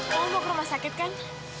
mau ke rumah sakit kan